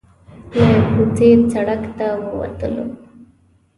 له کوڅې سړک ته وتلو.